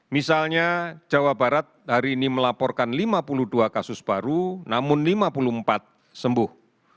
misalnya jawa barat hari ini melaporkan lima puluh dua kasus baru namun lima puluh empat sembuh